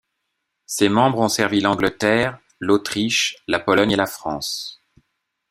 Ses membres ont servi l'Angleterre, l'Autriche, la Pologne et la France.